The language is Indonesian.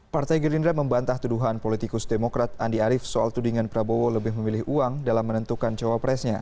partai gerindra membantah tuduhan politikus demokrat andi arief soal tudingan prabowo lebih memilih uang dalam menentukan cawapresnya